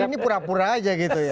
jadi ini pura pura aja gitu ya